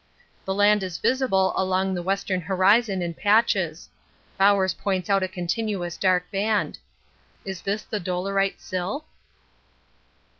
The land is visible along the western horizon in patches. Bowers points out a continuous dark band. Is this the dolerite sill?